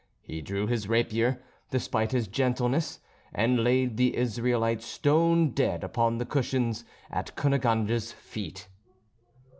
He drew his rapier, despite his gentleness, and laid the Israelite stone dead upon the cushions at Cunegonde's feet.